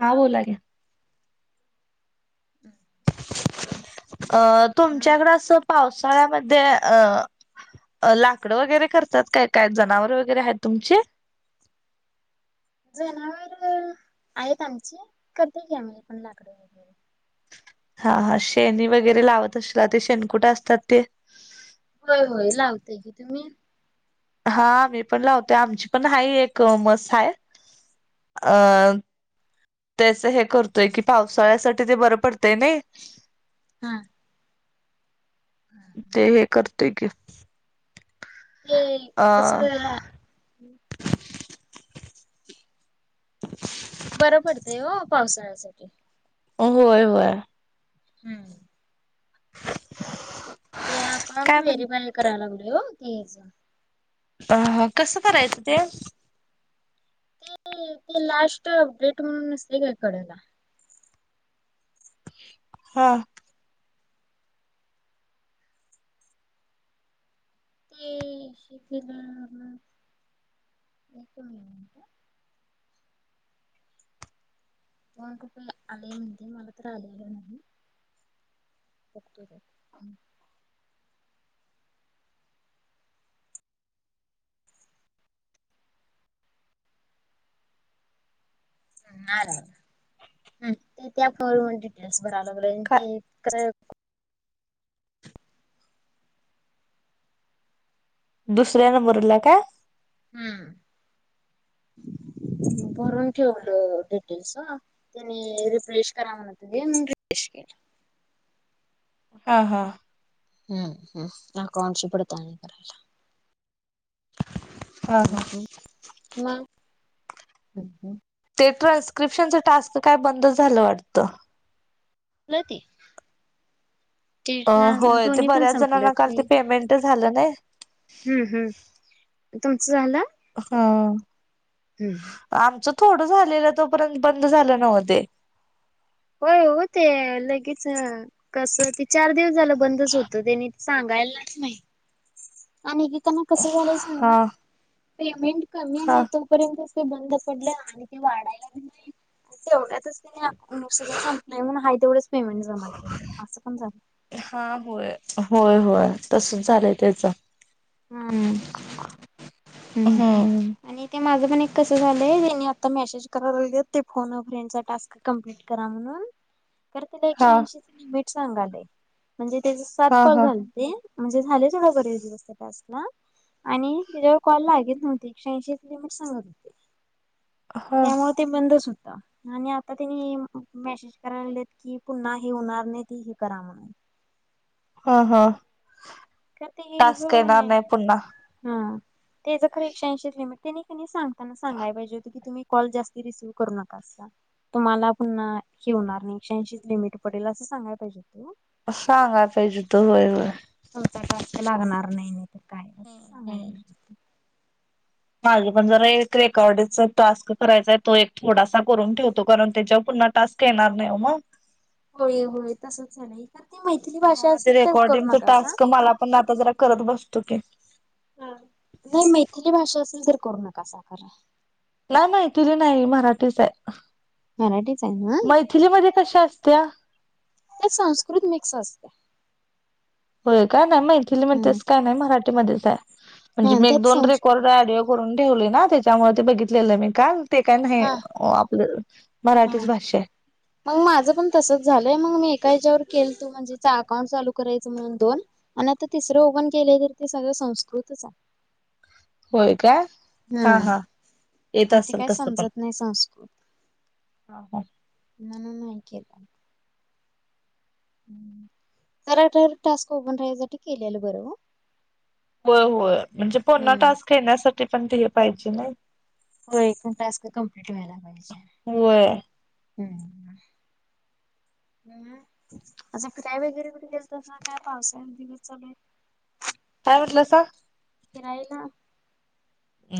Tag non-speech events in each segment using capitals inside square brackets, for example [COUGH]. हा बोला ना हम्. अह तुमच्याकडे असं पावसाळ्यामध्ये अह अह लाकडं वगैरे करतात काय, काय जनावर वगैरे आहेत तुमचे जनावर आहेत आमची [UNINTELLIGIBLE] आम्ही पण लाकड वगैरे हा हा शेणी वगैरे लावत असला ते शेणकुठ असतात ते होय होय लावते की तुम्ही हा मी पण लावते आमची पण हाय एक म्हस हाय अह त्याच हे करतोय की पावसाळ्यासाठी ते बरं पडतंय नाही हा. ते हे करतोय की ते अ कसलं [INAUDIBLE] बरं पडते ओ पावसाळ्यासाठी व्हय व्हय हम्म ते अकाउंट काय म्हण वेरीफाय करायला लागले हो तेच हा हा कसं करायचं ते? ते ते लास्ट अपडेट म्हणून नसते का कडेला हां. ते [UNINTELLIGIBLE] एक मिनिट हा. मग [UNINTELLIGIBLE] आलेय म्हणते मला तर आलेलं नाही बघतो तो थांब [UNINTELLIGIBLE] ते त्या फोन मध्ये डिटेल्स भराय लागलोय काय ते खरं दुसऱ्या नंबरला का हम्म. भरून ठेवलं डिटेल्स हा त्यानी रिफ्रेश करा म्हणत होते म्हणून रिफ्रेश केलं. हा हा. हम्म, हम्म, अकाउंटची पडताळणी करायला हा हा. हम्म हम्म, मगं हम्म हम्म ते ट्रान्स्क्रिप्शनचं टास्क काय बंद झालं वाटतं. नाय ते अ होय ते दोन्ही पण बऱ्याच संपलं जणांना काल ते पेमेंट झालं नाय हम्म हम्म तुमचं झालं? हो. हम्म हम्म आमचं थोडं झालेलं तोपर्यंत बंद झालं नव्ह ते. होय हो ते लगेच कसं ते चार दिवस झालं बंदच होतं तेनी सांगायलाच नाही. आणि एकेकांना कस झालं हा सांगा. पेमेंट कमी हा हाईत ओ र्यंत ते बंद पडले आणि ते वाढायला बी नाय तेवढ्यात तेनी सगळं संपलंय हाय तेवढंच पेमेंट जमा केलं असं पण झालं. हा होय, होय, हम्म. होय तसच झालंय त्याचा. हा हा् आणि ते माझं पण एक कसं झालंय तेनी आता मेसेज कराय लागल्यात ते फोन फ्रेंडचा टास्क कम्प्लीट करा म्हणून खर तिला एकशे हा ऐंशीच लिमिट सांगालय म्हणजे त्याचा सात हा कॉल हा झाल. तेन म्हणजे झाले थोड बरेच दिवस त्या टास्कला आणि त्याच्यावर कॉल लागेत नव्हती एकशे ऐंशीच लिमीट सांगत होते हा त्यामुळ ते बंदच होता. आणि आता तेने मेसेज कराय लागलेत की पुन्हा हे होणार नाही ती हे करा म्हणून. हा, हा का ते हे टास्क येणार होणे नाय पुन्हा हा त्याज खर एकशे ऐंशीच लिमिट तेनी सांगताना सांगाय पाहिजे होत की तुम्ही कॉल जास्ती रिसीव्ह करू नका अस. तुम्हाला पुन्हा हे होणार नाही एकशे ऐंशीच लिमिट पडेल असं सांगायला पाहिजे होत ना. सांगाय पाहिजे होत होय होय. तुमचा टास्क लागणार नाय नायत काय असं सांगायला पाहिजे होत. माझ पण जरा एक रेकॉर्ड टास्क करायचाय तो एक थोडासा करून ठेवतो कारण त्याच्यावर पुन्हा टास्क येणार नाय ओ म. होय, होय तसच झालंय इथं ती मैथली भाषा हा ते असेल तर करू रेकॉर्डिंगच नकासा. टास्क मला पण आता जरा करत बसतो की. नाही मैथिली भाषा असेल तर करू नकासा खरं. नाय मैथिली नाय मराठीच आहे. मराठीच आहे ना मैथिलीमजे कशी असत्या? त्यात संस्कृत मिक्स असते. होय काय नाय मैथिली हम्म म्हणतेच काय नाय मराठीमध्येच आहे. म्हणजे हा मी एक त्यात दोन संस्कृत रेकॉर्ड ऑडि करून ठेवली ना त्याच्यामुळे ते बघितलेलं मी का ते काय न्हाय हा हे आपलं मराठीच भाषा य मंग माझं पण तसच झालंय, मंग मी एका ह्याच्यावर केल तू म्हणजे अकाउंट चालू करायचं म्हणून दोन आणि आता तिसरं ओपण केलं तर ते सगळं संस्कृतच आहे. होय काय. हा हम्म हा. येत मग ते असेल काय तसं पण समजत नाय संस्कृत म्हणून नाहय केला. खर तरं टास्क ओपन राहायसाठी केलेलं बरं ओ होय, होय म्हणजे पुन्हा हम्म टास्क येण्यासाठी पण ते हे पाहिजे नाय. हो एकूण टास्क कंप्लिट व्हायला पाहिजे. होय हम् ह असं फिराय वगैरे कुठ गेलतसा काय पावसा दिवस चालूयेत. [UNINTELLIGIBLE] काय म्हटलासां. फिरायला.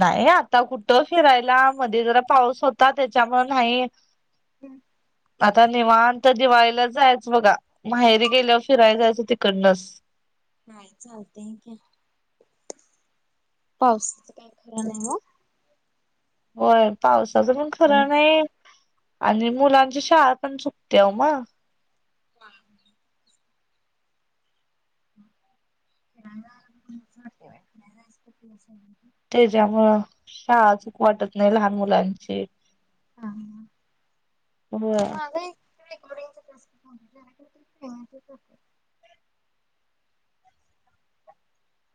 नाही ओ आता कुठं फिरायला मध्ये जरा पाऊस होता त्याच्यामुळ नाही. हम्म.. आता निवांत दिवाळीलाच जायचं बघा माहेरी गेल्यावर फिरायला जायचं तिकडनच. नाही चालतंय की. पावसाच काय खरं नाय ओ होय पावसाचं पण ओ. खरं नाही आणि मुलांची शाळा पण चुकते ओ म. हा [INAUDIBLE] वा [INAUDIBLE] त्याच्यामु शाळा चूक वाटत नाही लहान मुलांची हा होय, हा. ते रेकॉर्डिंग.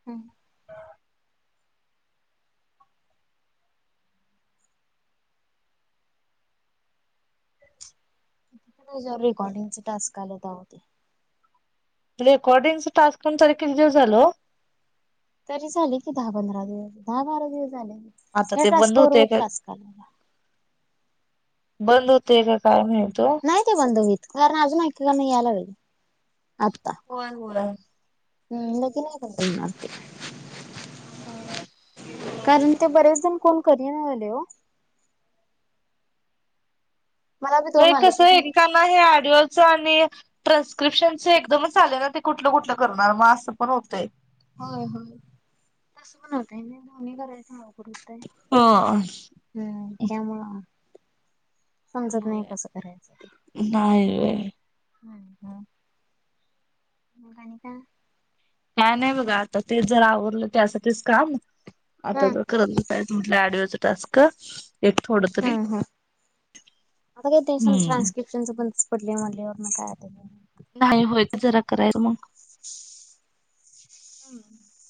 हम् रेकॉर्डिंग चे टास्क आले तर तवा ते रेकॉर्डिंग टास्क करून पण किती दिवस झालो. तरी झाली की दहा पंधरा दिवस दहा बारा दिवस झाले आता या ते बंद टास्कवर तो होते का टॅक्स आला. बंद होतय का काय नाहीत तो. नाही ते बंधवीत कारण अजून ऐकना यायला वेग आता [INAUDIBLE] व्हय व्हय हम् त नाही मते हम्म [INAUDIBLE] कारण ते बरेच जण कोण करी आले हो. मला बी हे दोन कस आलेत एक रिकाम ऑडिओ चा आणि. प्रेस्क्रिप्शनच एकदमच आले ना ते कुठलं कुठलं करणार मग असं पण होतंय. हो हो तस बणवतय नाही दोन्ही करायव करूत आहे ह. हम्म त्यामुळ. समजत नाही, होय कसं करायचं ते. नाही होय हम्म हम्म, आणिकाय? काय नाही बघा, आता ते जर आवरलं त्यासाठीच काम, आता हम्म ज करल म्हणल, ओडीओचं टस्क एक थोड ह ह, आता काही त्यां हम्म ट्रान्स्क्रिप्शन बंदच पडले मल्यावर म काय आता. नाही होय, जरा करायचं मग. हम्म,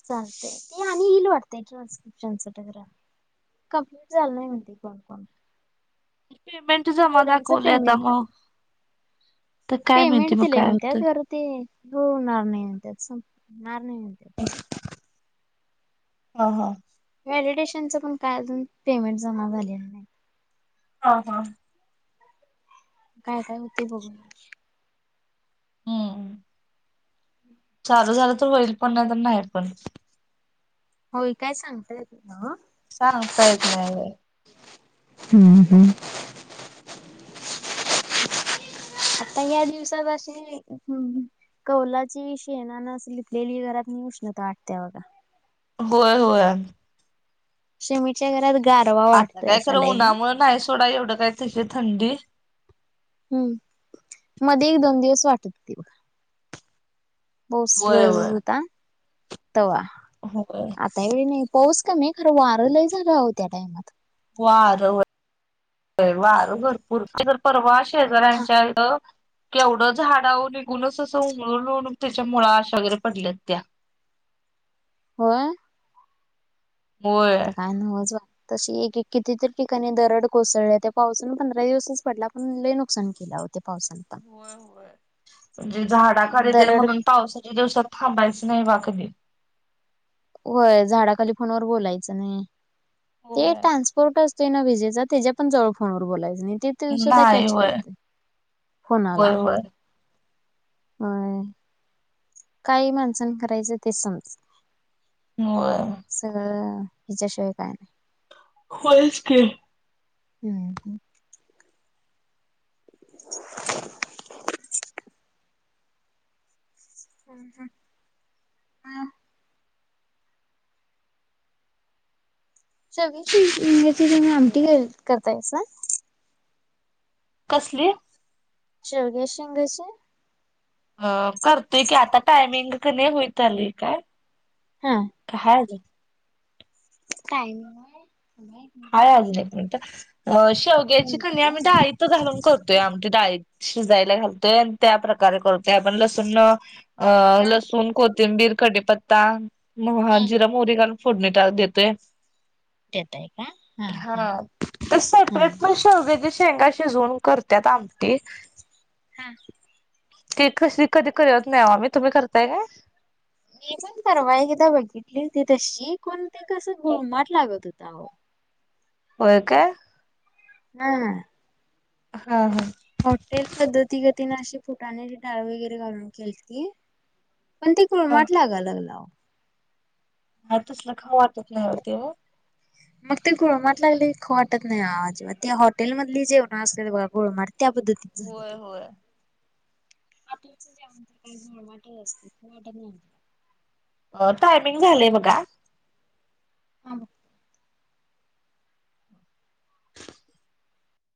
चालतय, ते आणि येईल वाटतय, ट्रान्सक्रिप्शन च काम. कम्प्लीट झाला नाही म्हणते, कॉल कॉल. पेमेंट जमा दाखवलं आता पेमेंट म, त काय पेमेंट माहिती मग दिलंय काय म्हणत्यात होतं. खरं ते शो होणार नाही म्हणते, संपणार नाही म्हणते. हा हा. व्हॅलिडेशनच पण काय अजून, पेमेंट जमा झालेलं नाही. हा हा. काय, काय होते, बघू. हम्म. चालू झालं तर होईल पण, नाही त नाही पण. होय, काय सांगतायेत नाय ओ. सांगता येत नाही. हम्म हम्म. आता या दिवसात अशे, हम्म हम्म. कौलाची, शेणाना लिपलेली घरात, नी उष्णता वाटते्या बघा. होय होय. शमीच्या घरात गारवा आता वाटतो, काय असा खरं लायनई. उन्हामुळे नाही सोडा, एवढं काय तिथे थंडी हम्म, मध्ये एक दोन दिवस वाटत पाऊस होय रोजच होता, तवा. हो गं. वातावरणयं पाऊस कमीयं खरं वारं लय झालं त्या टायमात. वार होय, वार भरपूर आमच्या इकडं परवा असं [UNINTELLIGIBLE] जरा था हेंच्या य एवढंच झााडावरून निघूनच असं उळूनून त्याच्या मुळाशी आशागरे पडल्यात त्या. होय. होय. तर काय नाय होज. तशी एक एक कितीतरी ठिकाणी दरड कोसळल्या, त्या पावसान पंधरा दिवसच पडला, पण लय नुकसान केलं आवो. त्या पावसान पण. होय होय, म्हणजे झाडा खाली तेल दरड म्हणून पावसाच्या दिवसात थांबायचं नाही बा कधी. होय, झाडाखाली फोन वर बोलायचं नाही ते होय. ट्रान्सपोर्टच तेन विजेच त्याच्या पण, जवळ फोनवर बोलायचं नाही ते ते सुद्धा नाही कॅच होय करते फोनाला होय होय होय. काय हे माणसान करायचं ते समज होय. सगळं हिच्याशिवाय काय नाही. होयचं की. ह ह. [UNINTELLIGIBLE] ह ह मग. शेवग्याच्या शेंगाची तुम्ही आमटी करतायसा? कसली? शेवंग्याच्या शेंगाची. अ करतोय की, आता टायमिंग कनयं होईत आली काय? हा. हाय अजून? काही नाही. हाय अजून एक होत मिनिट अ शेवग्याची कणी आम्ही डाळीत तू घालून करतोय, आमटी डाळीत शिजायला घालतोय आणि त्या प्रकारे करतोय आपण लसूण अ अ लसूण, क कोथिंबीर, कडीपत्ता म हा जिरं, मोहोरी घालून फोडणी टा- देतोय. देताय का? हा, ते हा सेपरेट पण शेवग्याच्या शेंगा शिजवून करत्यात आमटी. हा ते कशी कधी करत नाही ओ आम्ही, तुम्ही करताय काय? मी पण परवा एकदा बघितली होती, तशी पण ते कसं गुळमाट लागत होत आवो. होय काय? ह ह. हा हा. हॉटेल पद्धती गतीने अशी फुटाण्याची डाळ वगैरे घालून केलती. पण ति हा गुळमाट लागायला लागल आवो. हा, तसलं खावू वाटत नाही, ओ ते ओ. [UNINTELLIGIBLE] मग ते गुळमाट लागल की खावू वाटतं नाही, अजिबात ते हॉटेल मधली जेवण असतेत बघा गुळमाट त्या पध्दतीनं. झालं होय ते. होय आपली कसं ती आमटी गुळमाट नसत्या, खावू वाटतं नाही आवो. अ टायमिंग झालय बघा. हा हा.